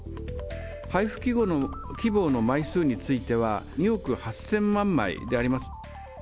配布希望の枚数については、２億８０００万枚であります。